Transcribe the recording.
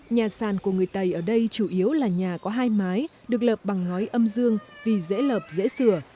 nhà sàn của người tày ở đây chủ yếu là nhà có hai mái được lợp bằng ngói âm dương vì dễ lợp dễ sửa